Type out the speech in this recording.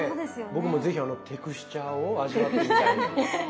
僕も是非あのテクスチャーを味わってみたいはい。